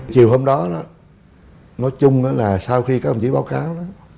chiều hôm đó nói chung là sau khi các ông chỉ báo cáo đó